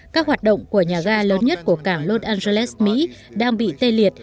các hoạt động của nhà ga lớn nhất của cảng lod angeles mỹ đang bị tê liệt